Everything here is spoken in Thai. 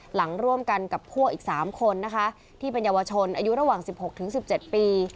หลังร่วมกันกับพวกอีกสามคนนะคะที่เป็นเยาวชนอายุระหว่างสิบหกถึงสิบเจ็ดปี